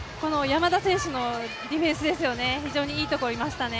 山田選手のディフェンスですよね、非常にいいところにいましたね。